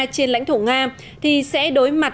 trên lãnh thổ nga thì sẽ đối mặt